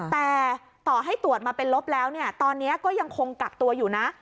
แต่ต่อให้ตรวจมาเป็นลบแล้วเนี่ยตอนนี้ก็ยังคงกักตัวอยู่นะ